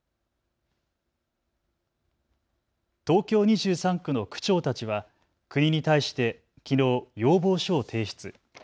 東京２３区の区長たちは国に対してきのう要望書を提出。